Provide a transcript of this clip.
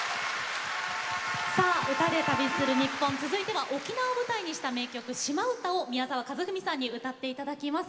「歌で旅するニッポン」続いては沖縄を舞台にした名曲「島唄」を宮沢和史さんに歌っていただきます。